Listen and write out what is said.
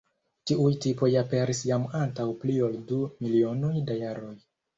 Tiuj tipoj aperis jam antaŭ pli ol du milionoj da jaroj.